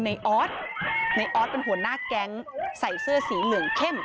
ออสในออสเป็นหัวหน้าแก๊งใส่เสื้อสีเหลืองเข้ม